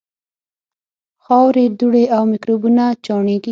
خاورې، دوړې او میکروبونه چاڼېږي.